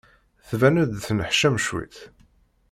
Tban-d tenneḥcam cwiṭ.